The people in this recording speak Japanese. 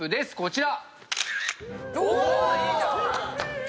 こちら。